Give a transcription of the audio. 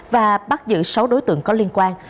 và bắt giữ sáu đối tượng có liên quan